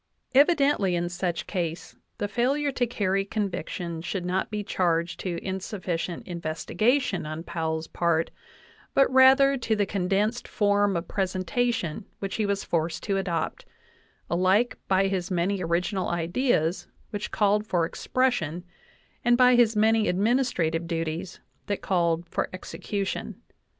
Evidently in such case the failure to carry conviction should not be charged to insufficient investigation on Powell's part, but rather to the condensed form of presentation which he was forced to adopt, alike by his many original ideas which called for expression, and by his many administrative duties that called for execution.